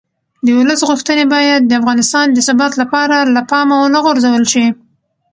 د ولس غوښتنې باید د افغانستان د ثبات لپاره له پامه ونه غورځول شي